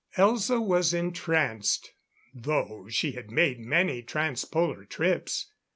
Elza was entranced, though she had made many trans Polar trips.